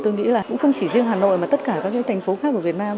tôi nghĩ là cũng không chỉ riêng hà nội mà tất cả các thành phố khác của việt nam